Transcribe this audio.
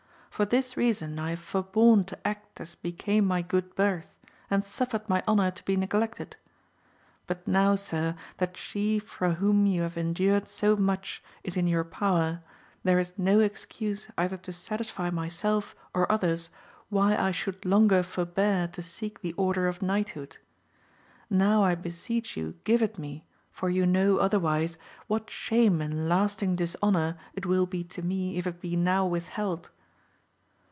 For this reason I have forborne to act as became my good birth, and suffered my honour to be neglected ; but now, sir, that she for whom you have endured so much is in your power, there is no excuse either to satisfy myself or others why I should longer forbear to seek the order of knighthood. Now I beseech you give it me, for you know, otherwise, what shame and lasting dishonour it wiU be to me if it be now withheld.